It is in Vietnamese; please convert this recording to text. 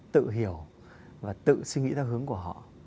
tự hiểu và tự suy nghĩ theo hướng của họ